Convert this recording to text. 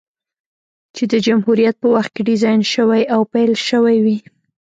چې د جمهوريت په وخت کې ډيزاين شوې او پېل شوې وې،